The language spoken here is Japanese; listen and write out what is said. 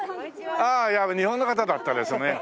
ああ日本の方だったですね。